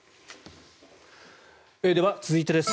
では、続いてです。